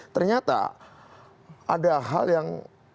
ternyata ada hal yang